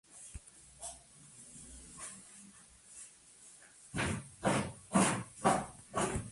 Estos fusiles "civilizados" fueron convertidos para disparar solamente en modo semiautomático.